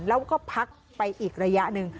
แล้วก็พักไปอีกระยะหนึ่ง